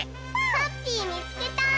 ハッピーみつけた！